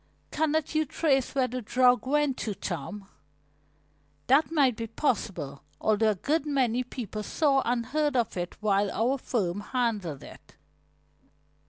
"Cannot you trace where the drug went to, Tom?" "That might be possible, although a good many people saw and heard of it while our firm handled it."